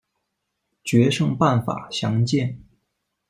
决胜办法详见。